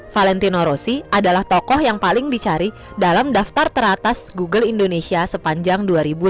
valentino rossi adalah tokoh yang paling dicari dalam daftar teratas google indonesia sepanjang dua ribu dua puluh